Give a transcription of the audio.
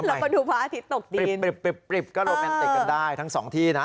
แล้วบันดุพระอาทิตย์จบปริบบริบก็โรแมนติกได้ทั้งสองที่นะฮะ